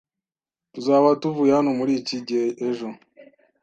Tuzaba tuvuye hano muri iki gihe ejo.